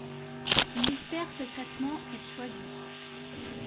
Il espère secrètement être choisi.